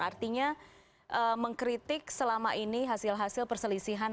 artinya mengkritik selama ini hasil hasil perselisihan